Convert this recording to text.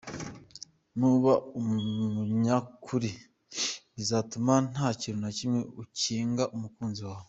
Nuba umunyakuri bizatuma nta kintu na kimwe ukinga umukunzi wawe.